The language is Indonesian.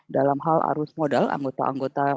dalam hal arus modal anggota anggota